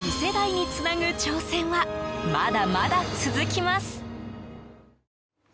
大好きな海を次世代につなぐ挑戦はまだまだ続きます。